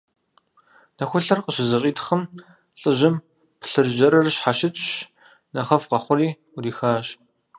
Нэхулъэр къыщызэщӀитхъым, лӏыжьым плъыржьэрыр щхьэщыкӀщ, нэхъыфӀ къэхъури Ӏурихащ.